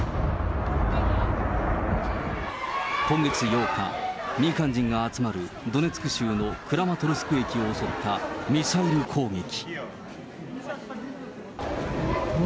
今月８日、民間人が集まるドネツク州のクラマトルスク駅を襲ったミサイル攻撃。